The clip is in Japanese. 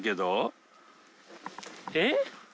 えっ？